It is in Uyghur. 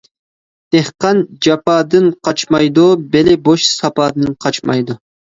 دېھقان جاپادىن قاچمايدۇ، بېلى بوش ساپادىن قاچمايدۇ.